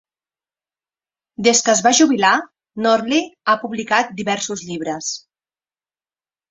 Des que es va jubilar, Nordli ha publicat diversos llibres.